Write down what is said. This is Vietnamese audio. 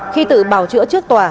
khi tự bào chữa trước tòa